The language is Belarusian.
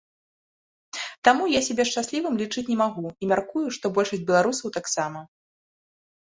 Таму я сябе шчаслівым лічыць не магу і мяркую, што большасць беларусаў таксама.